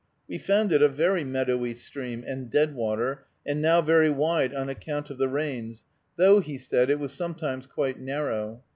We found it a very meadowy stream, and deadwater, and now very wide on account of the rains, though, he said, it was sometimes quite narrow.